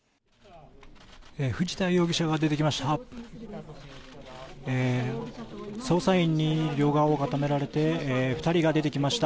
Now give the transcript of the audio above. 藤田容疑者が出てきました。